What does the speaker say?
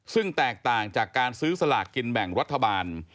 ซึ่งแตกต่างจากการซื้อสลากกินแบ่งรัฐบาล